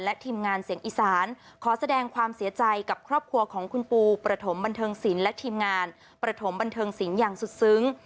และทีมงานเสียงอีสานขอแสดงความเสียใจกับครอบครัวของคุณปูประถมบันเทิงศิลป์และทีมงานประถมบันเทิงศิลป์อย่างสุดซึ้ง